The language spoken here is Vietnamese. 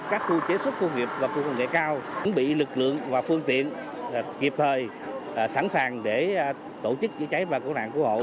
các khu chế xuất khu nghiệp và khu nền thị cao chuẩn bị lực lượng và phương tiện kịp thời sẵn sàng để tổ chức chữa cháy và cứu nạn